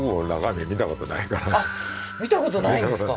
見たことないんですか？